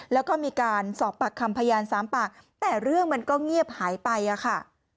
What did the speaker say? แล้วก็มีการสอบปากคำพยาน๓ปากแต่เรื่องมันก็เงียบหายไปค่ะ